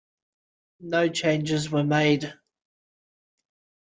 No changes were made.